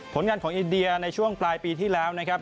ผลงานของอินเดียในช่วงปลายปีที่แล้วนะครับ